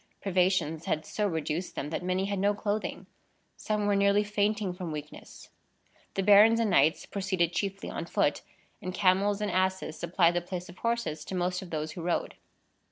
Privations had so reduced them, that many had no clothing. Some were nearly fainting from weakness. The barons and knights proceeded chiefly on foot, and camels and asses supplied the place of horses to most of those who rode.